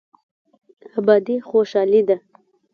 ابادي خوشحالي ده.